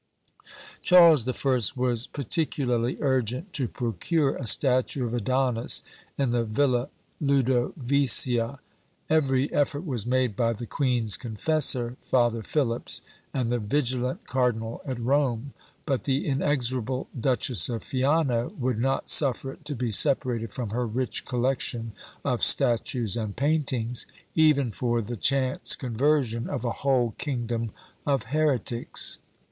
Charles the First was particularly urgent to procure a statue of Adonis in the Villa Ludovisia: every effort was made by the queen's confessor, Father Philips, and the vigilant cardinal at Rome; but the inexorable Duchess of Fiano would not suffer it to be separated from her rich collection of statues and paintings, even for the chance conversion of a whole kingdom of heretics."